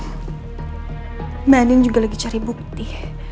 mbak ad none juga lagi cari bukti